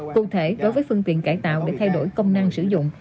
cụ thể đối với phương tiện cải tạo để thay đổi công năng sử dụng